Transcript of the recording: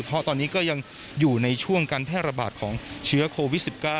เพราะตอนนี้ก็ยังอยู่ในช่วงการแพร่ระบาดของเชื้อโควิด๑๙